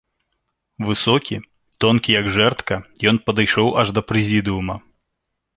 Высокі, тонкі, як жэрдка, ён падышоў аж да прэзідыума.